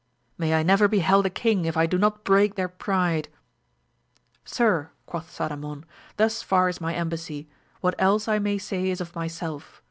May I never be held a king if I do not break their pride ! Sir, quoth Sadamon, thus far is ray embassy, what else I may say is of myself.